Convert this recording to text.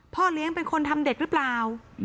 พ่อเลี้ยงเป็นคนทำเด็กหรือเปล่า